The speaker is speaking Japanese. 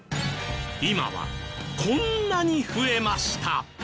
今はこんなに増えました。